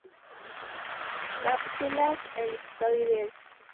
Cápsulas elipsoides.